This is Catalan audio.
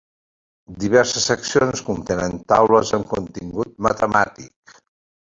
Diverses seccions contenen taules amb contingut matemàtic.